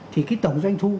thì cái tổng doanh thu